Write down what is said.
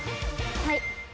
はい！